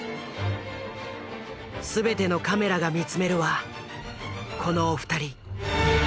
全てのカメラが見つめるはこのお二人。